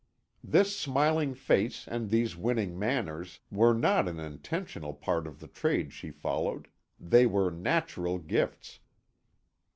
This smiling face and these winning manners were not an intentional part of the trade she followed; they were natural gifts.